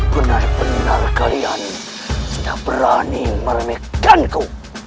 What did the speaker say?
benar benar kalian sudah berani meremehkanku